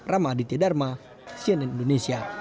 ramaditya dharma cnn indonesia